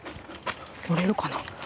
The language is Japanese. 乗れるかな。